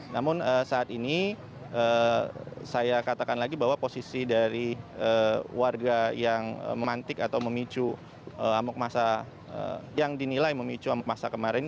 namun saat ini saya katakan lagi bahwa posisi dari warga yang memantik atau memicu amuk masa yang dinilai memicu amuk masa kemarin